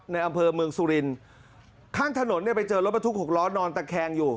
ในอำเภอเมืองสุรินทร์ข้างถนนเนี่ยไปเจอรถบรรทุกหกล้อนอนตะแคงอยู่